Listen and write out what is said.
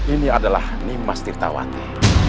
ini adalah nimas tirtawati